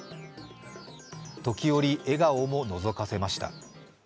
時折、笑顔ものぞかせました。